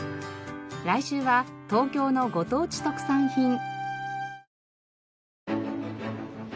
来週は東京のご当地特産品。